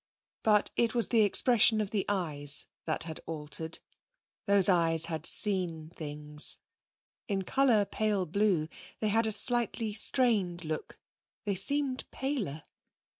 But it was the expression of the eyes that had altered. Those eyes had seen things. In colour pale blue, they had a slightly strained look. They seemed paler.